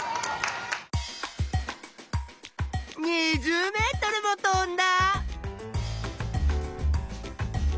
２０ｍも飛んだ！